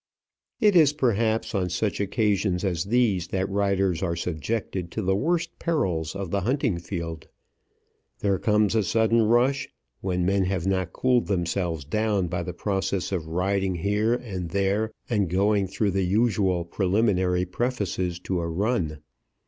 It is, perhaps, on such occasions as these that riders are subjected to the worst perils of the hunting field. There comes a sudden rush, when men have not cooled themselves down by the process of riding here and there and going through the usual preliminary prefaces to a run.